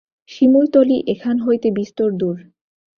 শিমুলতলি এখান হইতে বিস্তর দূর।